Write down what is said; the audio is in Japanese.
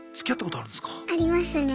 ありますね。